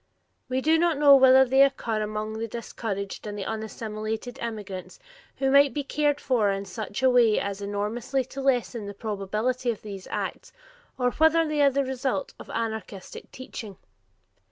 We do not know whether they occur among the discouraged and unassimilated immigrants who might be cared for in such a way as enormously to lessen the probability of these acts, or whether they are the result of anarchistic teaching.